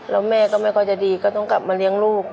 แล้วแม่ก็ไม่ค่อยจะดีก็ต้องกลับมาเลี้ยงลูก